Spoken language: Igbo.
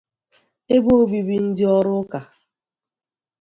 ebe obibi ndị ọrụ ụka